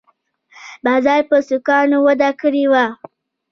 بازار په سیکانو وده کړې وه